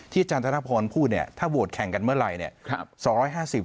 อาจารย์ธนพรพูดเนี่ยถ้าโหวตแข่งกันเมื่อไหร่เนี่ย